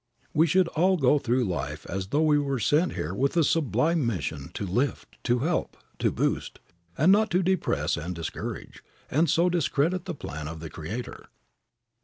We should all go through life as though we were sent here with a sublime mission to lift, to help, to boost, and not to depress and discourage, and so discredit the plan of the Creator.